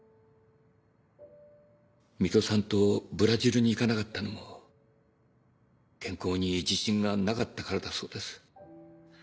水戸さんとブラジルに行かなかったのも健康に自信がなかったからだそうです。